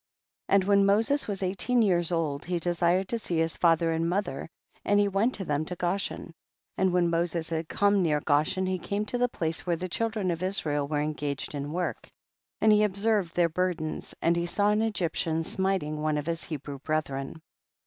And when Moses was eighteen years old, he desired to see his father and mother and he went to them t,a THE BOOK OF JASHER. 219 Goshen, and when Moses had come near Goshen, he came to the place where the children of Israel were en gaged in work, and he observed their burdens, and he saw an Egyptian smiting one of his Hebrew brethren.